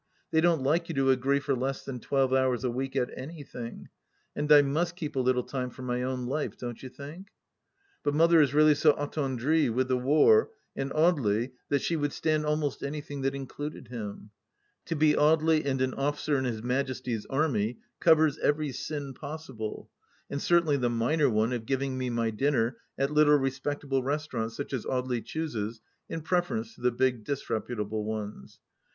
They don't like you to agree for less than twelve hours a week at anything, and I mitst keep a little time for my own life, don't you think ? But Mother is really so attendrU with the war and Audely, that she would stand almost anything that included him. To be Audely and an ofi&ccr in His Majesty's Army covers every sin possible, and certainly the minor one of giving me my dinner at little respectable restaurants such as Audely chooses in preference to the big disreputable ones.